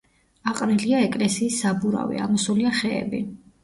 აყრილია ეკლესიის საბურავი, ამოსულია ხეები.